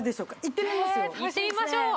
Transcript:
いってみましょう！